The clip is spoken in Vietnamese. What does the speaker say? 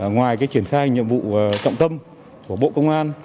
ngoài triển khai nhiệm vụ trọng tâm của bộ công an